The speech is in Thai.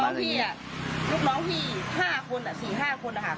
แล้วลูกน้องพี่อ่ะลูกน้องพี่ห้าคนอ่ะสี่ห้าคนอ่ะค่ะ